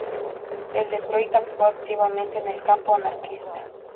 En Detroit actuó activamente en el campo anarquista.